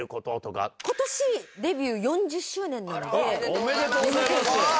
なので。おめでとうございます。